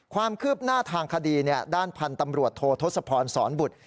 ความคืบหน้าทางคดีด้านพันธุ์ตำรวจโทษทศพรสอนบุตร